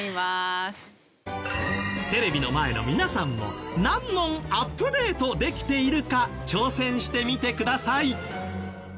テレビの前の皆さんも何問アップデートできているか挑戦してみてください。